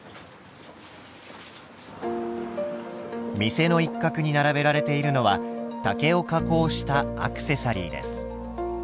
店の一角に並べられているのは竹を加工したアクセサリーです。